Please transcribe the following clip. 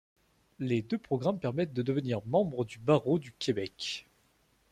Les deux programmes permettent de devenir membre du Barreau du Québec.